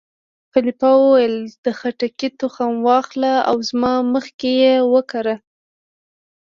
خلیفه وویل: د خټکي تخم وا اخله او زما مخکې یې وکره.